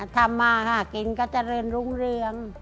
ทำมาหากินก็เจริญรุ่งเรือง